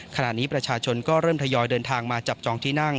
ขณะนี้ประชาชนก็เริ่มทยอยเดินทางมาจับจองที่นั่ง